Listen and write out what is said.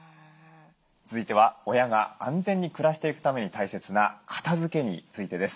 続いては親が安全に暮らしていくために大切な片づけについてです。